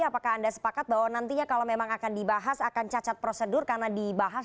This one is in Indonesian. apakah anda sepakat bahwa nantinya kalau memang akan dibahas akan cacat prosedur karena dibahas di tengah wabah atau keadaan